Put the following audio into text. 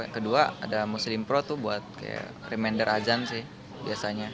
kedua ada muslim pro buat reminder azan sih biasanya